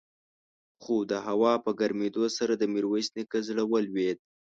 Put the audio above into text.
خو د هوا په ګرمېدو سره د ميرويس نيکه زړه ولوېد.